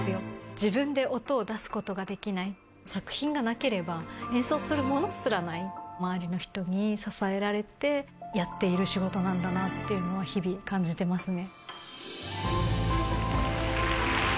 自分で音を出すことができない作品がなければ演奏するものすらない周りの人に支えられてやっている仕事なんだなっていうのは日々感じてますね